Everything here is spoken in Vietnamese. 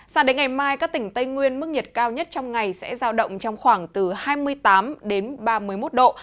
sao đến ngày mai các tỉnh tây nguyên mức nhiệt cao nhất trong ngày sẽ giao động trong khoảng từ hai mươi tám ba mươi một độ